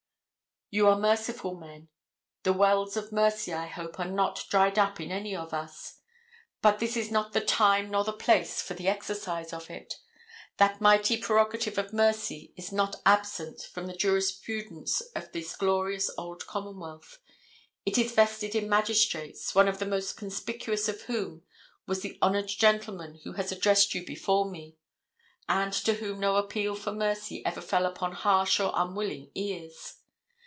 You are merciful men. The wells of mercy, I hope, are not dried up in any of us. But this is not the time nor the place for the exercise of it. That mighty prerogative of mercy is not absent from the jurisprudence of this glorious old commonwealth. It is vested in magistrates, one of the most conspicuous of whom was the honored gentleman who has addressed you before me, and to whom no appeal for mercy ever fell upon harsh or unwilling ears.